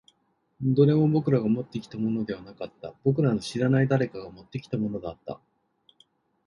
どれも僕らがもってきたものではなかった。僕らの知らない誰かが持ってきたものだった。